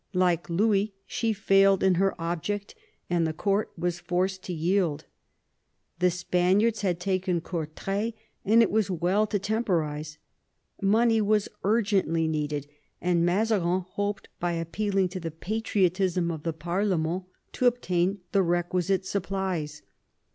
Like Louis she failed in her object, and the court was forced to yield. The Spaniards had taken Courtray, and it was well to temporise. Money was urgently needed, and Mazarin hoped, by appealing to the patriotism of the parlemerUy to obtain the requisite supplies.